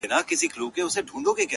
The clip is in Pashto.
يتيم بچې له ېې کتاب رانکړو